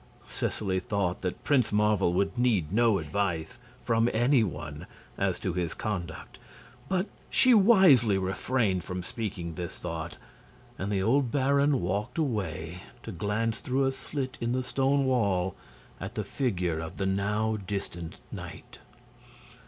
Seseley thought that Prince Marvel would need no advice from any one as to his conduct; but she wisely refrained from speaking this thought, and the old baron walked away to glance through a slit in the stone wall at the figure of the now distant knight.